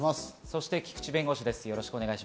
そして菊地弁護士です。